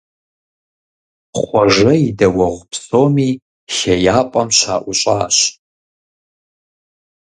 Хъуэжэ и дэуэгъу псоми хеяпӏэм щаӀущӀащ.